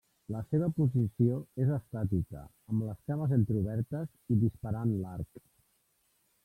La seva posició és estàtica, amb les cames entreobertes i disparant l'arc.